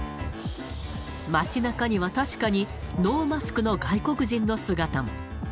街なかには確かにノーマスクの外国人の姿も。